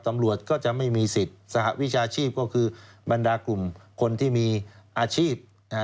ตำรวจก็จะไม่มีสิทธิ์สหวิชาชีพก็คือบรรดากลุ่มคนที่มีอาชีพ